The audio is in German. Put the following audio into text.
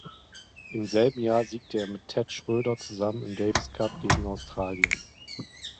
Im selben Jahr siegte er mit Ted Schroeder zusammen im Davis Cup gegen Australien.